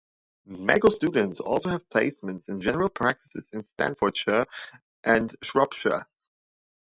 Medical students also have placements in general practices in Staffordshire and Shropshire.